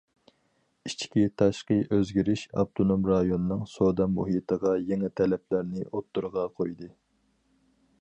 ئىچكى- تاشقى ئۆزگىرىش ئاپتونوم رايوننىڭ سودا مۇھىتىغا يېڭى تەلەپلەرنى ئوتتۇرىغا قويدى.